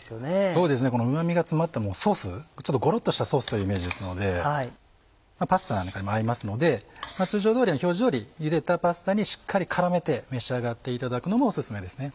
そうですねこのうま味が詰まったソースちょっとゴロっとしたソースというイメージですのでパスタなんかにも合いますので通常通り表示通りゆでたパスタにしっかり絡めて召し上がっていただくのもオススメですね。